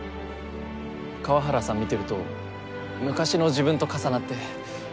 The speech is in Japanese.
河原さんを見てると昔の自分と重なって。